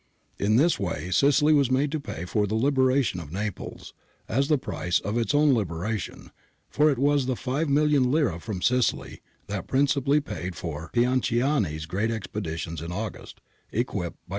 In this way Sicily was made to pay for the liberation of Naples, as the price of its own liberation, for it was the 5,000,000 lire from Sicily that principally paid for Pianciani's great expeditions in August, equipped by Bert ani.